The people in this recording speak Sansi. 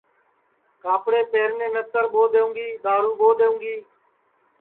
کاپڑے پہرنے نتر ٻو دؔونگی دؔارو ٻو دؔونگی